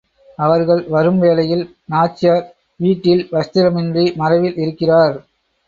அவர்கள் வரும் வேளையில் நாச்சியார், வீட்டில் வஸ்திரமின்றி மறைவில் இருக்கிறார்.